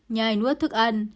nhai nuốt thức ăn